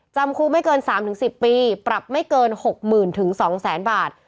จำคุกไม่เกิน๓๑๐ปีปรับไม่เกิน๖๐๐๐๒๐๐๐บาท